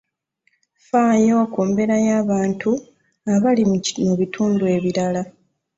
Ffaayo ku mbeera y'abantu abali mu bitundu ebirala.